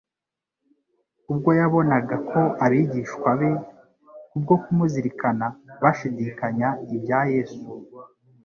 ubwo yabonaga ko abigishwa be kubwo kumuzirikana, bashidikanya ibya Yesu.